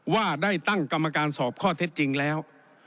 ว่าได้ตั้งกรรมการสอบข้อเท็จจริงแล้ว